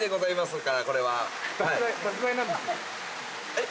えっ？